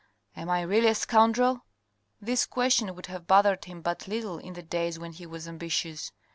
Am I really a scoundrel?" This question would have bothered him but little in the days when he was ambitious.